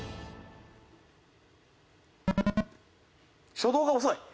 初動が遅い。